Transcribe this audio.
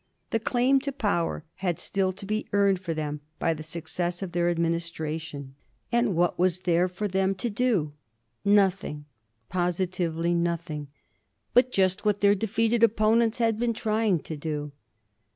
The claim to power had still to be earned for them by the success of their administration ; and what was there for them to do? Nothing — positively nothing — but just what their defeated opponents had been trying to do.